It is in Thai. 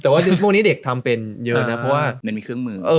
แต่ว่าพวกนี้เด็กทำเป็นเยอะนะเพราะว่ามันมีเครื่องมือ